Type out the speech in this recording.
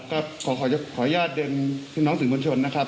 ครับขออย่าดึงพี่น้องสื่อมวลชนนะครับ